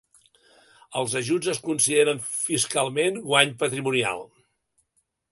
Els ajuts es consideren, fiscalment, guany patrimonial.